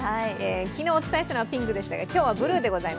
昨日お伝えしたのはピンクでしたが、今日はブルーです。